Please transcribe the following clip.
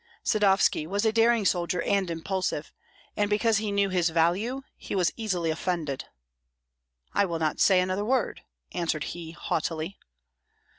Sadovski was a daring soldier and impulsive, and because he knew his value he was easily offended. "I will not say another word," answered he, haughtily.